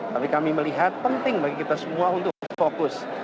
tapi kami melihat penting bagi kita semua untuk fokus